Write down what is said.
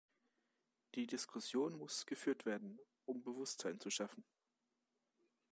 Die Diskussion muss geführt werden, um Bewusstsein zu schaffen.